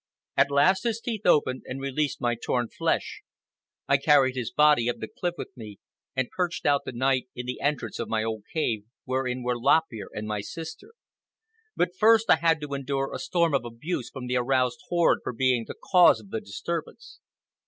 At last his teeth opened and released my torn flesh. I carried his body up the cliff with me, and perched out the night in the entrance of my old cave, wherein were Lop Ear and my sister. But first I had to endure a storm of abuse from the aroused horde for being the cause of the disturbance.